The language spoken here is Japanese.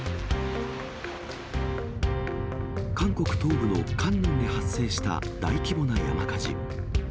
韓国東部のカンヌンで発生した大規模な山火事。